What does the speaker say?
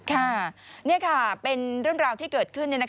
ค่ะนี่ค่ะเป็นเรื่องราวที่เกิดขึ้น